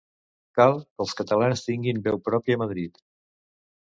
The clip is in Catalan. Cal que els catalans tinguin veu pròpia a Madrid.